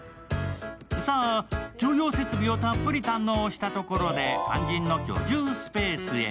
さあ、共用設備をたっぷり堪能したところで、肝心の居住スペースへ。